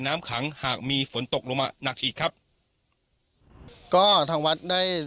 น้ำขังหากมีฝนตกลงมาหนักอีกครับก็ทางวัดได้